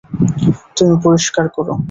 তুমি পরিষ্কার কর।